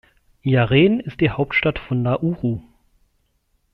Yaren ist die Hauptstadt von Nauru.